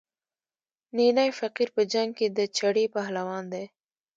نینی فقیر په جنګ کې د چړې پهلوان دی.